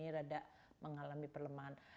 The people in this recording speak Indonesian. yang rada mengalami perlemahan